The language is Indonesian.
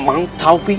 ini tidak baik